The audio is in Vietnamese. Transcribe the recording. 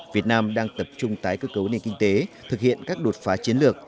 việt nam đang tập trung tái cơ cấu nền kinh tế thực hiện các đột phá chiến lược